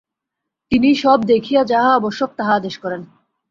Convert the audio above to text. তিনি সব দেখিয়া যাহা আবশ্যক, তাহা আদেশ করেন।